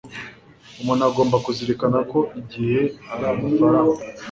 Umuntu agomba kuzirikana ko igihe ari amafaranga